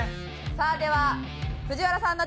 さあでは藤原さんの挑戦です。